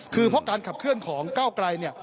คือเพราะการขับเคลื่อนของเก้าไกร